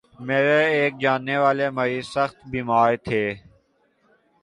میرے ایک جاننے والے مریض سخت بیمار تھے